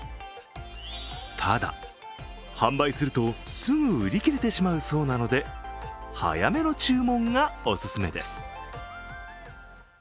ただ、販売するとすぐ売り切れてしまうそうなので早めの注文がオススメです。